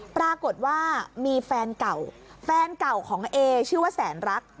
ปรากฏว่ามีแฟนเก่าแฟนเก่าของเอชื่อว่าแสนรัก